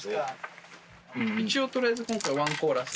一応とりあえず今回ワンコーラス。